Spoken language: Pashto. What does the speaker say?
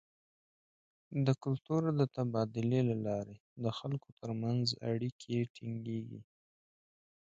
د کلتور د تبادلې له لارې د خلکو تر منځ اړیکې ټینګیږي.